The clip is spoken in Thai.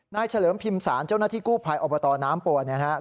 เฉลิมพิมศาลเจ้าหน้าที่กู้ภัยอบตน้ำปัวนะครับ